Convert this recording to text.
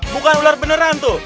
bukan ular beneran tuh